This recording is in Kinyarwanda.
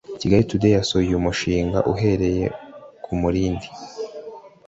Kigali Today yasuye uyu mushinga uherereye ku Mulindi